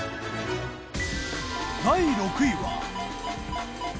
第６位は。